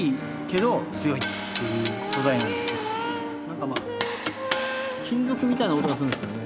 何かまあ金属みたいな音がするんですよね。